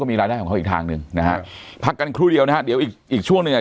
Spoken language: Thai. มีรายได้ของเขาอีกทางหนึ่งนะฮะพักกันครู่เดียวนะฮะเดี๋ยวอีกอีกช่วงหนึ่งอ่ะ